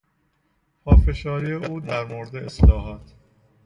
پافشاری او در مورد اصلاحات